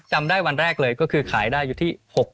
จำได้วันแรกเลยก็คือขายได้อยู่ที่๖๐